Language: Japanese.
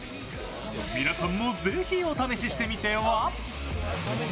皆さんもぜひお試ししてみては？